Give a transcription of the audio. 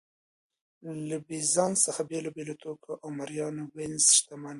له بېزانس څخه بېلابېلو توکو او مریانو وینز شتمن کړ